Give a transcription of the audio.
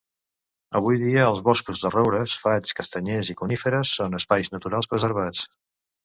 Avui dia els boscos, de roures, faigs, castanyers i coníferes, són espais naturals preservats.